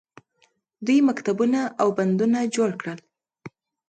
دوی مکتبونه او بندونه جوړ کړل.